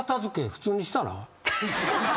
普通にしたら？